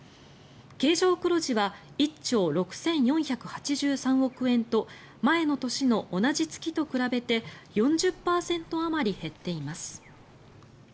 経常黒字は１兆６４８３億円と前の年の同じ月と比べて４０％あまり減っています。